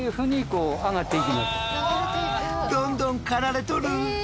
どんどん刈られとる。